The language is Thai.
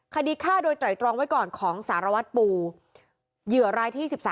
คดีฆ่าโดยไตรตรองไว้ก่อนของสารวัตรปูเหยื่อรายที่๑๓